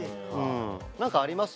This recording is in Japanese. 何かあります？